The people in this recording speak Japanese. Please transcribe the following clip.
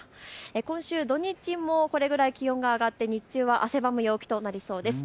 今週、土日もこれぐらい気温が上がって日中は汗ばむ陽気となりそうです。